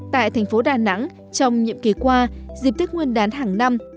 tại thành phố đà nẵng trong nhiệm kỳ qua dịp thức nguyên đán hàng năm